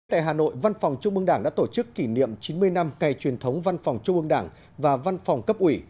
tại hà nội văn phòng trung mương đảng đã tổ chức kỷ niệm chín mươi năm ngày truyền thống văn phòng trung ương đảng và văn phòng cấp ủy